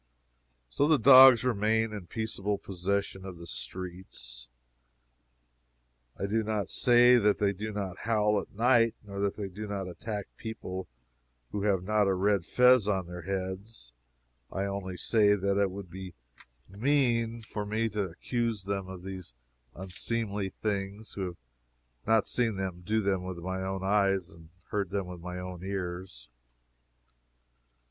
So the dogs remain in peaceable possession of the streets. I do not say that they do not howl at night, nor that they do not attack people who have not a red fez on their heads. I only say that it would be mean for me to accuse them of these unseemly things who have not seen them do them with my own eyes or heard them with my own ears.